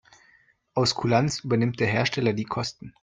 Aus Kulanz übernimmt der Hersteller die Kosten.